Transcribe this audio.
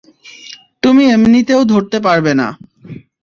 তুমি এমনিতেও ধরতে পারবে না।